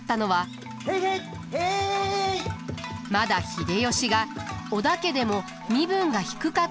まだ秀吉が織田家でも身分が低かった頃だと考えられます。